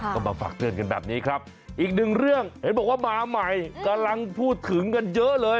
ก็มาฝากเตือนกันแบบนี้ครับอีกหนึ่งเรื่องเห็นบอกว่ามาใหม่กำลังพูดถึงกันเยอะเลย